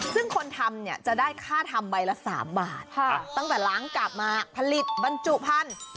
ซึ่งคนทำเนี่ยจะได้ค่าทำใบละ๓บาทตั้งแต่ล้างกลับมาผลิตบรรจุพันธุ์